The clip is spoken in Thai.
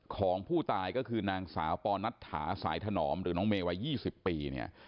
ของผู้ตายก็คือนางสาวปอนัทถาสายถนอมหรือน้องเมย์วัย๒๐ปีเนี่ย